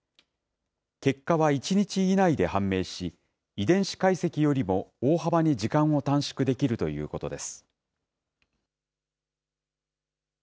結果は１日以内で判明し、遺伝子解析よりも大幅に時間を短縮できるということです。